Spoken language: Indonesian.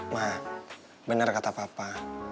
ma bener kata papa